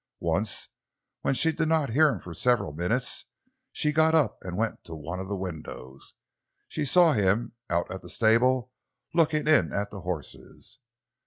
Once when she did not hear him for several minutes, she got up and went to one of the windows. She saw him, out at the stable, looking in at the horses.